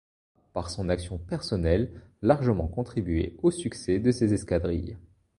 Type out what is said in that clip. A, par son action personnelle, largement contribué aux succès de ses escadrilles.